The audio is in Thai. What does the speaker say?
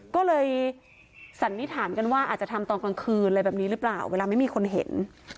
ก็เลยสันนิษฐานกันว่าอาจจะทำตอนกลางคืนอะไรแบบนี้หรือเปล่าเวลาไม่มีคนเห็น